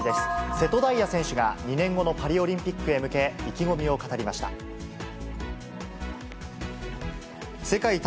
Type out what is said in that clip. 瀬戸大也選手が２年後のパリオリンピックへ向け、意気込みを語りました。